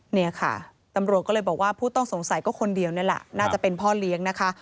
เนี่ยค่ะตำรวจก็เลยบอกว่าผู้ต้องสงสัยก็คนเดียวนี่แหละน่าจะเป็นพ่อเลี้ยงนะคะ